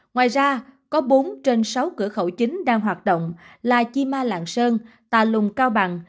ngoài ra có bốn trên sáu cửa khẩu chính đang hoạt động là chima lạng sơn tà lùng cao bằng